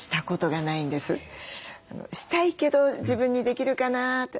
したいけど自分にできるかなって。